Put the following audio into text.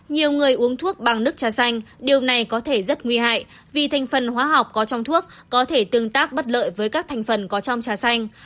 nhiều người uống thuốc bằng nước trà xanh điều này có thể rất nguy hại vì thành phần hóa học có trong thuốc có thể tương tác bất lợi với các thành phần có trong trà xanh